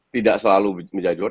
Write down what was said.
tidak selalu menjajur